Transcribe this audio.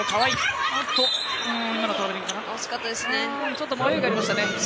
ちょっと迷いがありましたね。